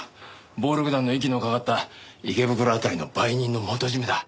暴力団の息のかかった池袋辺りの売人の元締だ。